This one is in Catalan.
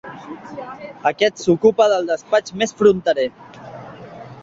Aquest s'ocupa del despatx més fronterer.